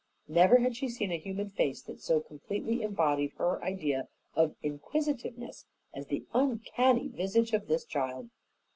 Never had she seen a human face that so completely embodied her idea of inquisitiveness as the uncanny visage of this child.